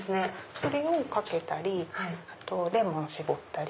これをかけたりレモン絞ったり。